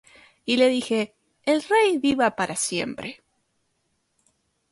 Y dije al rey: El rey viva para siempre.